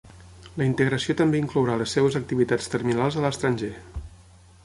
La integració també inclourà les seves activitats terminals a l'estranger.